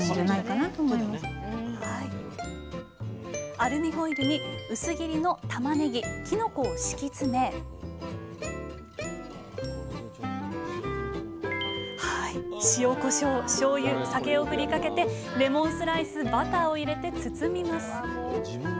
アルミホイルに薄切りのたまねぎきのこを敷き詰め塩こしょうしょうゆ酒を振りかけてレモンスライスバターを入れて包みます